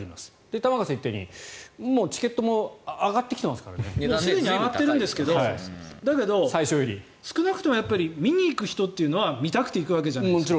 玉川さんが言ったようにもうチケットも随分上がってるんですけどだけど、少なくともやっぱり見に行く人というのは見たくて行くわけじゃないですか。